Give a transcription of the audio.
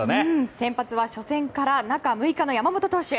先発は初戦から中６日の山本投手。